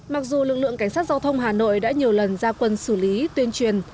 mặc dù lực lượng cảnh sát giao thông hà nội đã nhiều lần ra quân xử lý tuyên truyền